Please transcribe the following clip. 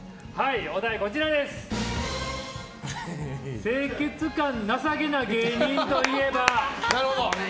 お題は清潔感なさげな芸人といえば？